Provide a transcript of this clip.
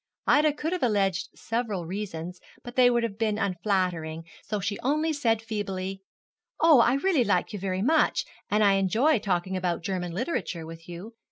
Ida could have alleged several reasons, but they would have been unflattering, so she only said feebly, 'Oh, I really like you very much, and I enjoy talking about German literature with you.